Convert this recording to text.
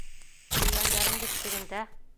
Ейәндәрем бит тегендә!